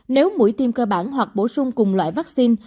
nếu mũi tiêm cơ bản hoặc bổ sung cùng loại vaccine